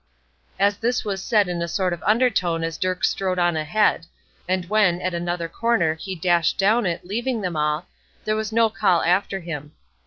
As this was said in a sort of undertone as Dirk strode on ahead; and when, at another corner, he dashed down it, leaving them all, there was no call after him.